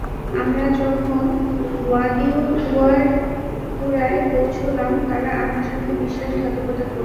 আমরা যখন ওয়াদিউল কুরায় পৌঁছলাম তারা আমার সাথে বিশ্বাসঘাতকতা করল।